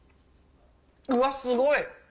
うわっすごい！